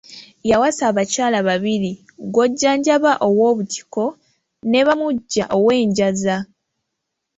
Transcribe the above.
Yawasa abakyala babiri, Gwojjanjaba ow'Obutiko ne Bamugya ow'Enjaza.